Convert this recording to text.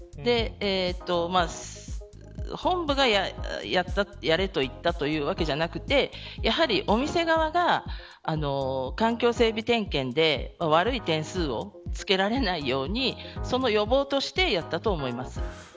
本部がやれと言ったわけではなくてお店側が環境整備点検で悪い点数を付けられないようにその予防としてやったと思います。